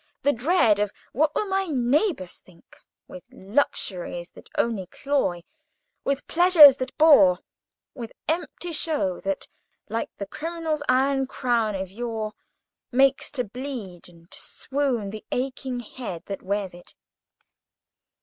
—the dread of what will my neighbour think, with luxuries that only cloy, with pleasures that bore, with empty show that, like the criminal's iron crown of yore, makes to bleed and swoon the aching head that wears it!